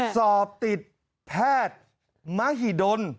สอบติดแพทย์มหิดล